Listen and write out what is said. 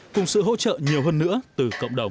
cùng sự hỗ trợ nhiều hơn nữa từ cộng đồng